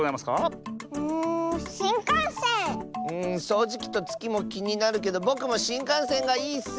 そうじきとつきもきになるけどぼくもしんかんせんがいいッス！